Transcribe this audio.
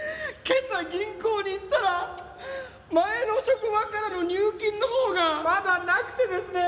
今朝銀行に行ったら前の職場からの入金のほうがまだなくてですね。